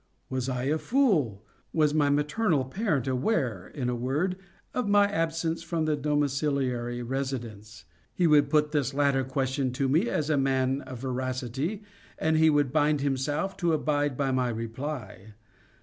Was I a fool? Was my maternal parent aware, in a word, of my absence from the domiciliary residence? He would put this latter question to me as to a man of veracity, and he would bind himself to abide by my reply.